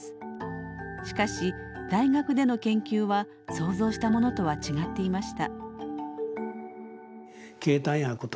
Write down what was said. しかし大学での研究は想像したものとは違っていました。